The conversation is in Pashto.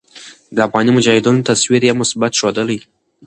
د افغاني مجاهدينو تصوير ئې مثبت ښودلے